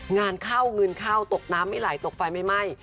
งานเข้าเงินเข้าตกน้ำไม่ไหลตกไฟไม่ไหม้